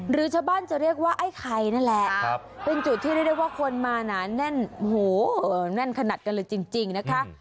หรือชาวบ้านจะเรียกว่าไอ้ไข่นั่นแหละเป็นจุดที่เรียกได้ว่าคนมาหนาแน่นโอ้โหแน่นขนาดกันเลยจริงนะคะ